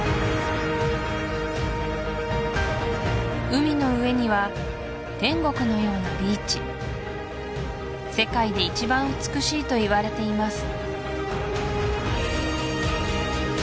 海の上には天国のようなビーチ世界で一番美しいといわれています